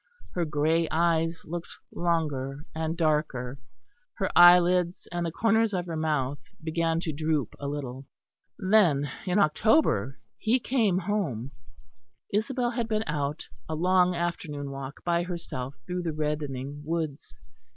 Her grey eyes looked longer and darker; her eyelids and the corners of her mouth began to droop a little. Then in October he came home. Isabel had been out a long afternoon walk by herself through the reddening woods.